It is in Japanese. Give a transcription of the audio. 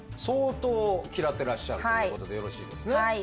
相当嫌ってらっしゃるということでよろしいですね？